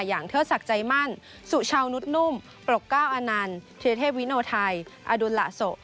อย่างเทศกใจมั่นสุชาวนุดนุ่มปรกก้าวอนันทร์ธิเทพวิโนไทยอดุลละโส